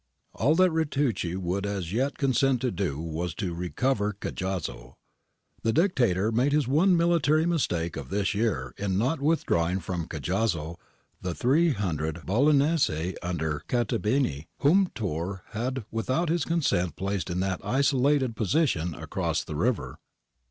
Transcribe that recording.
All that Ritucci would as yet consent to do was to recover Cajazzo. The Dictator made his one military mistake of this year in not withdrawing from Cajazzo the 300 Bolognese under Cattabeni whom Tiirr had without his consent placed in that isolated position across the river.